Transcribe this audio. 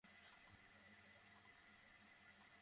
তবে এ অভিমতটি শুধু এ উক্তিকারীরই।